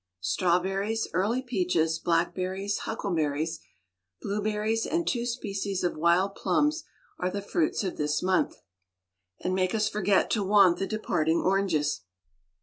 Strawberries, early peaches, blackberries, huckleberries, blueberries, and two species of wild plums, are the fruits of this month, and make us forget to want the departing oranges.